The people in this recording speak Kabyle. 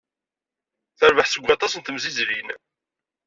Terbeḥ deg aṭas n temzizlin.